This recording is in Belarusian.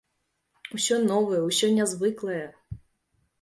Усё новае, усё нязвыклае.